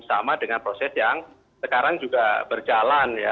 sama dengan proses yang sekarang juga berjalan ya